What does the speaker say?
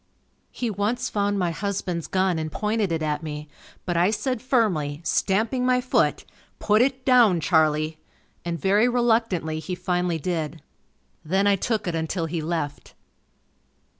He once found my husband's gun and pointed it at me, but I said firmly, stamping my foot, "Put it down Charlie," and very reluctantly he finally did. Then, I took it until he left.